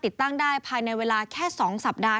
ติดตั้งได้ภายในเวลาแค่๒สัปดาห์